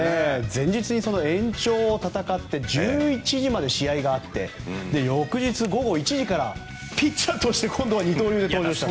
前日に延長を戦って１１時まで試合があって翌日午後１時からピッチャーとして今度は二刀流で登場した。